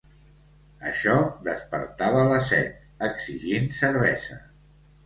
Això despertava la set, exigint cervesa.